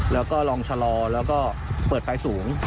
แล้วก็ลองชะลอแล้วก็เปิดไฟสูง